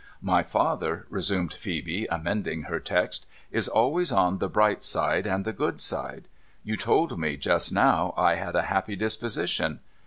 ' My father,' resumed Phoebe, amending her text, * is always on the bright side, and the good side. You told me, just now, I had a happy disposition.